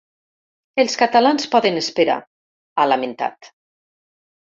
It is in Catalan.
“Els catalans poden esperar”, ha lamentat.